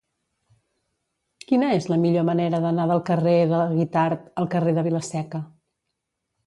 Quina és la millor manera d'anar del carrer de Guitard al carrer de Vila-seca?